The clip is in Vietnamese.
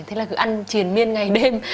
thế là cứ ăn triền miên ngày đêm